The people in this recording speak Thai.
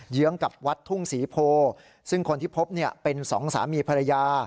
เยื้องกับวัดทุ่งศรีโพซึ่งคนที่พบเป็น๒สามีภรรยา